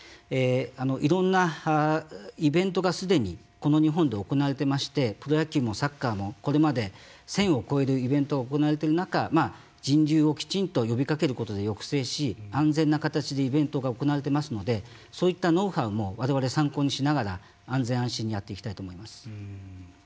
いろんなイベントがすでにこの日本で行われていましてプロ野球もサッカーもこれまで１０００を超えるイベントが行われている中人流をきちんと呼びかけることで抑制し安全な形でイベントが行われていますのでそういったノウハウもわれわれ参考にしながら安全安心にやっていきたいと思います。